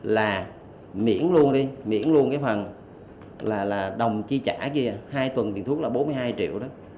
là miễn luôn đi miễn luôn cái phần là đồng chi trả kia hai tuần tiền thuốc là bốn mươi hai triệu đó